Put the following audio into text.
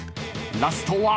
［ラストは］